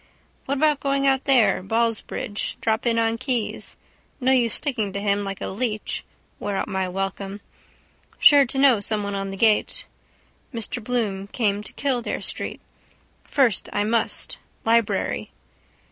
What about going out there: Ballsbridge. Drop in on Keyes. No use sticking to him like a leech. Wear out my welcome. Sure to know someone on the gate. Mr Bloom came to Kildare street. First I must. Library.